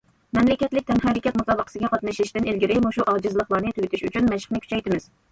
مەملىكەتلىك تەنھەرىكەت مۇسابىقىسىگە قاتنىشىشتىن ئىلگىرى مۇشۇ ئاجىزلىقلارنى تۈگىتىش ئۈچۈن مەشىقنى كۈچەيتىمىز.